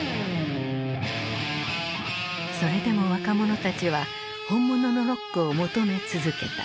それでも若者たちは本物のロックを求め続けた。